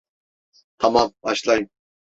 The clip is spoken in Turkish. Tamam, başlayın.